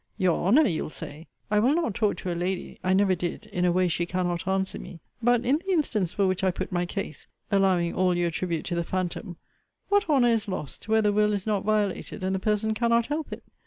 Your honour, you'll say I will not talk to a lady (I never did) in a way she cannot answer me But in the instance for which I put my case, (allowing all you attribute to the phantom) what honour is lost, where the will is not violated, and the person cannot help it?